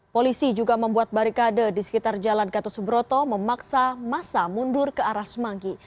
polisi juga membuat barikade di sekitar jalan gatot subroto memaksa masa mundur ke arah semanggi